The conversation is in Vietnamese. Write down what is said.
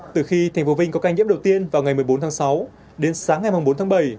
từ khi thành phố vinh có ca nhiễm đầu tiên vào ngày một mươi bốn tháng sáu đến sáng ngày bốn tháng bảy